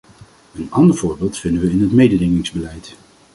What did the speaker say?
Een ander voorbeeld vinden we in het mededingingsbeleid.